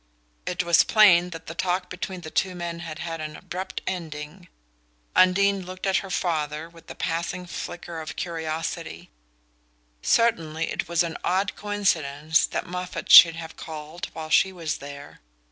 It was plain that the talk between the two men had had an abrupt ending. Undine looked at her father with a passing flicker of curiosity. Certainly it was an odd coincidence that Moffatt should have called while she was there...